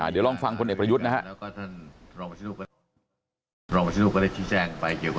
เดี๋ยวลองฟังพลเอกประยุทธ์นะครับ